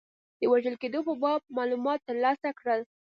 د وژل کېدلو په باب معلومات ترلاسه کړل.